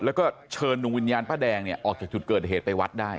แล้วก็เชิญดวงวิญญาณป้าแดงเนี่ยออกจากจุดเกิดเหตุไปวัดได้